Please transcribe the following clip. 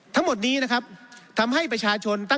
ทั้งหมดนี้นะครับทำให้ประชาชนตั้ง